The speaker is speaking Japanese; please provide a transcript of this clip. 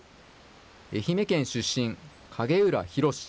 愛媛県出身、影浦博。